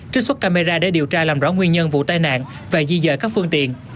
trích xuất camera để điều tra làm rõ nguyên nhân vụ tai nạn và di dời các phương tiện